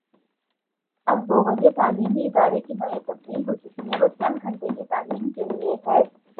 اب بوجوہ تعلیمی ادارے کی نوعیت تبدیل ہو چکی وہ چند گھنٹے کی تعلیم کے لیے ہے۔